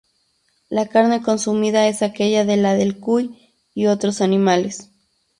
La carne consumida es aquella de la del cuy y otros animales.